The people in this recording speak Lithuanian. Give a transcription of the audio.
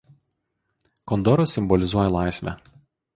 Kondoras simbolizuoja laisvę.